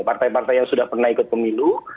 partai partai yang sudah pernah ikut pemilu